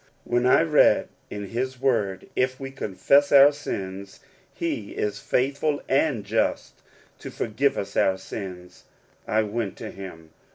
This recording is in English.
When I read in his word, " If v/e confess our sins, he is faithful and just to forgive us our sins," I went to him.